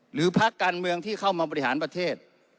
พักการเมืองที่เข้ามาบริหารประเทศ